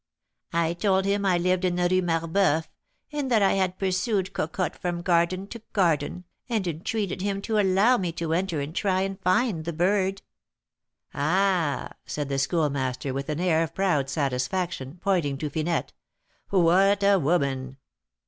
I told him I lived in the Rue Marboeuf, and that I had pursued Cocotte from garden to garden, and entreated him to allow me to enter and try and find the bird." "Ah!" said the Schoolmaster, with an air of proud satisfaction, pointing to Finette, "what a woman!"